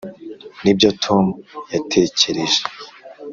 nibyo tom yatekereje.